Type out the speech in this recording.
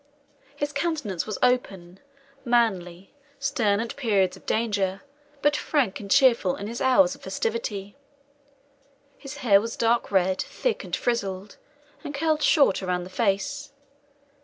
His countenance was open, manly, stern at periods of danger, but frank and cheerful in his hours of festivity. His hair was dark red, thick, and frizzled, and curled short around the face.